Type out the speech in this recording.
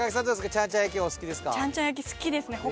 ちゃんちゃん焼きお好きですか？